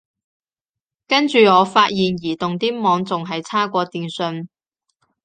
跟住我發現移動啲網仲係差過電信